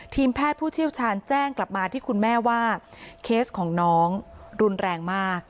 ทีมแพทย์ผู้เชี่ยวชาญแจ้งกลับมาที่คุณแม่ว่าเคสของน้องรุนแรงมาก